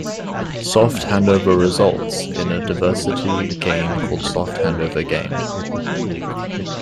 Soft handover results in a diversity gain called soft handover gain.